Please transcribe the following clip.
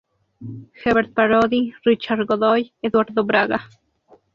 Hebert Parodi, Richard Godoy, Eduardo Braga.